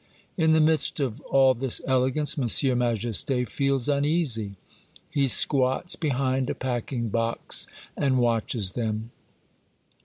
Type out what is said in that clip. In the midst of all this elegance, M. Majesty feels uneasy. He squats behind a pack ing box, and watches them.